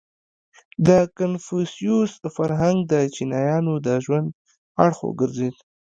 • د کنفوسیوس فرهنګ د چینایانو د ژوند یو اړخ وګرځېد.